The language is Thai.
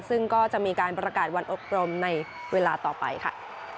ซึ่งก็จะมีการประกาศวันอบรมในเวลาต่อไปค่ะ